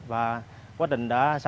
và quá trình đã